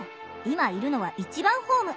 今いるのは１番ホーム。